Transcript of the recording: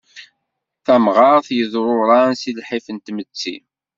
Tamɣart yeḍruran si lḥif n tmetti.